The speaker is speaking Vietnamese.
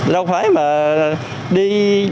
đâu phải mà đi